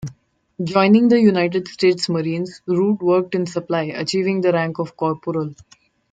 Joining the United States Marines, Root worked in supply, achieving the rank of corporal.